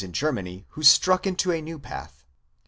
47 Germany, who struck into a new path.